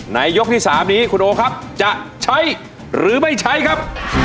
ยกที่๓นี้คุณโอครับจะใช้หรือไม่ใช้ครับ